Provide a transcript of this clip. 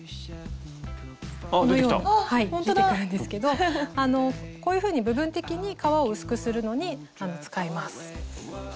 このように出てくるんですけどこういうふうに部分的に革を薄くするのに使います。